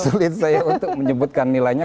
sulit saya untuk menyebutkan nilainya